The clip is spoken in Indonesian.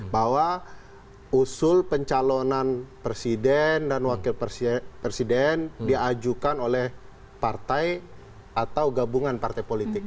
bahwa usul pencalonan presiden dan wakil presiden diajukan oleh partai atau gabungan partai politik